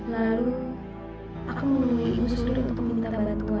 lalu aku memulai imus diri untuk meminta bantuan